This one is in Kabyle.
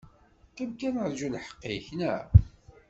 Qim kan aṛǧu lḥeq-ik, neɣ?